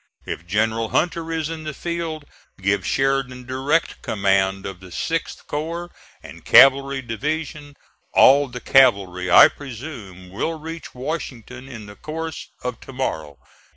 If General Hunter is in the field, give Sheridan direct command of the 6th corps and cavalry division. All the cavalry, I presume, will reach Washington in the course of to morrow.